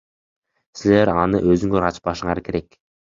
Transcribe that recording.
Силер аны өзүңөр ачпашыңар керек.